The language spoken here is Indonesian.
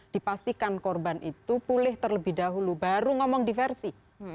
dipastikan korban itu pulih terlebih dahulu baru ngomong diversi